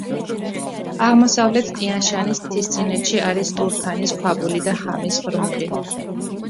აღმოსავლეთ ტიან-შანის მთისწინეთში არის ტურფანის ქვაბული და ხამის ღრმული.